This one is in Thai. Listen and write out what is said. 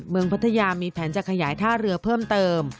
พัทยามีแผนจะขยายท่าเรือเพิ่มเติม